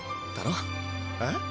えっ？